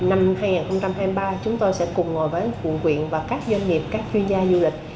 năm hai nghìn hai mươi ba chúng tôi sẽ cùng ngồi với quận quyện và các doanh nghiệp các chuyên gia du lịch